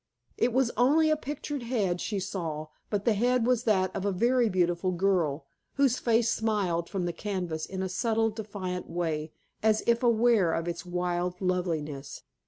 It was only a pictured head she saw, but the head was that of a very beautiful girl, whose face smiled from the canvas in a subtle, defiant way, as if aware of its wild loveliness.